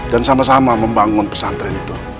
dan sama sama membangun pesantren itu